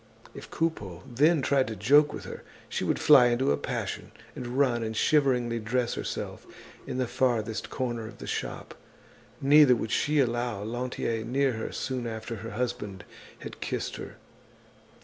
If Coupeau then tried to joke with her, she would fly into a passion, and run and shiveringly dress herself in the farthest corner of the shop; neither would she allow Lantier near her soon after her husband had kissed her.